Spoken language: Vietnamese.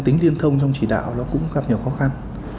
tính liên thông trong chỉ đạo nó cũng gặp nhiều khó khăn